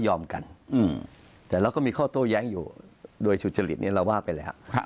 เลอมกันเรามีข้อโต้แย้งอยู่ด้วยฉุดจริงเราว่าไปแล้ว